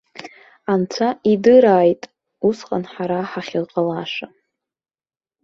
Анцәа идырааит усҟан ҳара ҳахьыҟалаша.